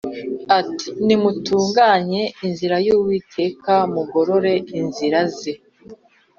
ati ‘Nimutunganye inzira y’Uwiteka, Mugorore inzira ze.’ ”